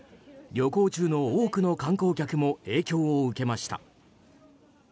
旅行中の多くの観光客も影響を受けました。